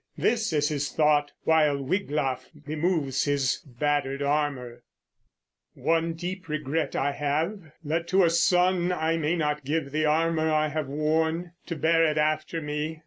This is his thought, while Wiglaf removes his battered armor: "One deep regret I have: that to a son I may not give the armor I have worn, To bear it after me.